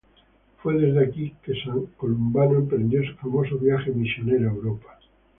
Fue desde aquí que San Columbano emprendió su famoso viaje misionero a Europa.